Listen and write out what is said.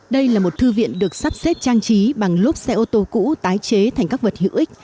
đây là một thư viện được sắp xếp trang trí bằng lốp xe ô tô cũ tái chế thành các vật hữu ích